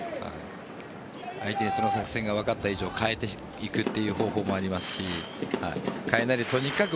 相手がその作戦が分かった以上変えていくという方法もありますし変えないでとにかく１